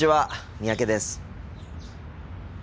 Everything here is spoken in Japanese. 三宅です。